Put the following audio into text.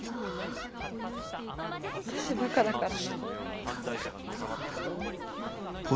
私バカだから。